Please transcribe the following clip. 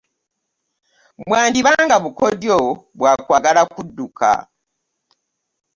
Bwandiba nga bukodyo bwa kwagala kudduka.